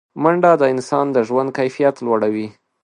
منډه د انسان د ژوند کیفیت لوړوي